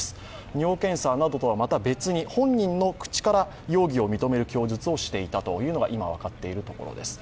尿検査などとはまた別に、本人の口から容疑を認める供述をしているというのが今分かっていることです。